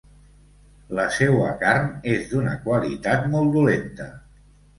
La seua carn és d'una qualitat molt dolenta.